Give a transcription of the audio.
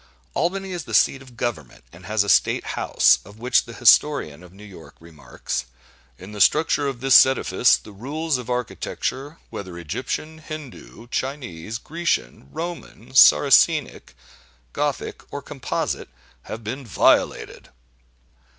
Albany is the seat of government, and has a State House, of which the historian of New York remarks: "In the structure of this edifice, the rules of architecture, whether Egyptian, Hindoo, Chinese, Grecian, Roman, Saracenic, Gothic, or Composite, have been violated."